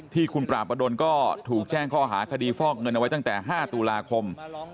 ที่คุณปราบประดนก็ถูกแจ้งข้อหาคดีฟอกเงินเอาไว้ตั้งแต่๕ตุลาคม